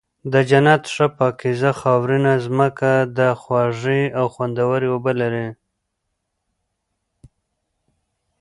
د جنت ښه پاکيزه خاورينه زمکه ده، خوږې او خوندوَري اوبه لري